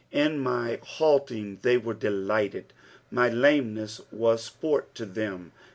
In my halting they were delighted. My lameoess na£ sport to them.